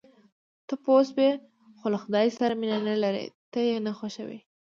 ته پوه شوې، خو له خدای سره مینه نه لرې، ته یې نه خوښوې.